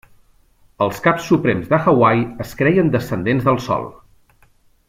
Els caps suprems de Hawaii es creien descendents del Sol.